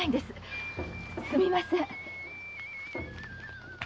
すみません。